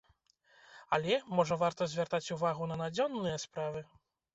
Але, можа, варта, звяртаць увагу на надзённыя справы?